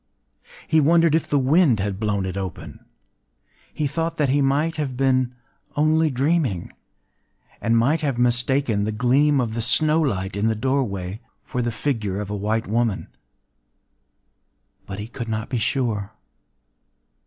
He wondered if the wind had blown it open;—he thought that he might have been only dreaming, and might have mistaken the gleam of the snow light in the doorway for the figure of a white woman: but he could not be sure.